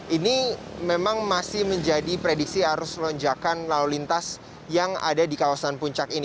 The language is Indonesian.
ini memang masih menjadi prediksi arus lonjakan lalu lintas yang ada di kawasan puncak ini